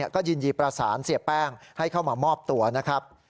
ก็ยินดีประสานเสียแป้งให้เข้ามามอบตัวนะครับ